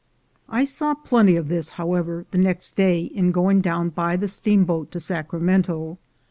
I saw plenty of this, however, the next day in going dovt^n by the steamboat to Sacramento.